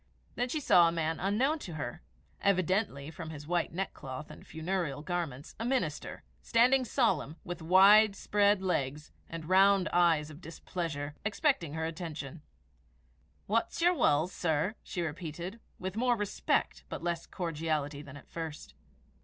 Then she saw a man unknown to her evidently, from his white neckcloth and funereal garments, a minister standing solemn, with wide spread legs, and round eyes of displeasure, expecting her attention. "What's yer wull, sir?" she repeated, with more respect, but less cordiality than at first.